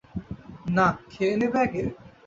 না, খেয়ে নেবে আগে?